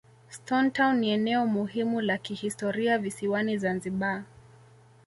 stone town ni eneo muhimu la kihistoria visiwani zanzibar